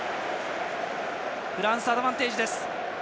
フランス、アドバンテージです。